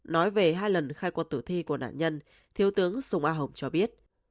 nói về hai lần khai quật tử thi của nạn nhân thiếu tướng sùng a hồng cho biết